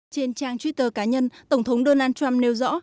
trên trang twitter cá nhân tổng thống donald trump nêu rõ